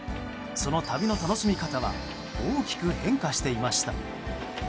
その旅の楽しみ方は大きく変化していました。